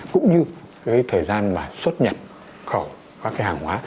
cũng như cái thời gian mà xuất nhập khẩu các cái hàng hóa